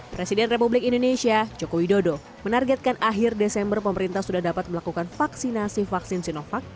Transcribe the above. presiden republik indonesia joko widodo menargetkan akhir desember pemerintah sudah dapat melakukan vaksinasi vaksin sinovac